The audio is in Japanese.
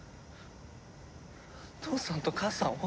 父さんと母さんを？